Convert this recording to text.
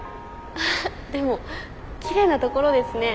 でもきれいな所ですね。